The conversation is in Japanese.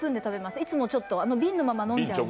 いつも瓶のまま飲んじゃうんで。